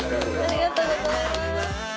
ありがとうございます。